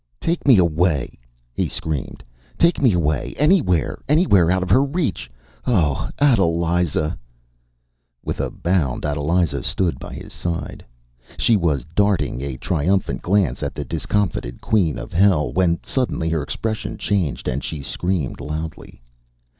“Take me away!” he screamed, “take me away, anywhere! anywhere out of her reach! Oh, Adeliza!” With a bound Adeliza stood by his side. She was darting a triumphant glance at the discomfited Queen of Hell, when suddenly her expression changed, and she screamed loudly.